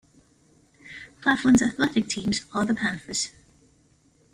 Claflin's athletic teams are the Panthers.